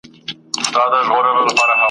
یوه شېبه دي له رقیبه سره مل نه یمه !.